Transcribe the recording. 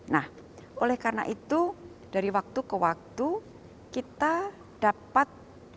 nah oleh karena itu dari waktu ke waktu kita dapat